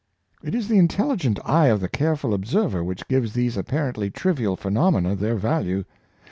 It is the intelligent eye of the careful observer which gives these apparently trivial phenomena their value.